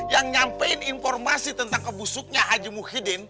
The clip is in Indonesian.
yang nyampein informasi tentang kebusuknya haji muhyiddin